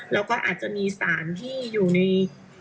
แล้วก็อาจจะมีสารที่อยู่ใน